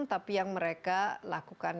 tapi yang mereka lakukan